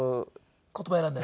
言葉選んで。